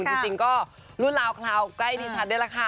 จริงก็รุ่นราวคราวใกล้ดิฉันนี่แหละค่ะ